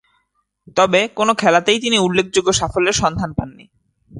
তবে, কোন খেলাতেই তিনি উল্লেখযোগ্য সাফল্যের সন্ধান পাননি।